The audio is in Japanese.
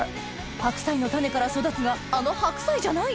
白菜の種から育つがあの白菜じゃない？